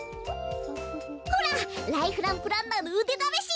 ほらライフランプランナーのうでだめし！